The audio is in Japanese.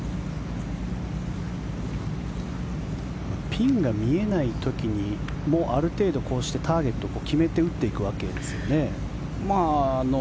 ピンが見えない時にもある程度こうしてターゲットを決めて打っていくわけですよね。